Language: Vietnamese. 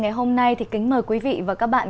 ngày hôm nay thì kính mời quý vị và các bạn